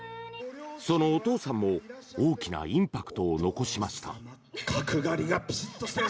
そのお父さんも大きなインパクトを残しました。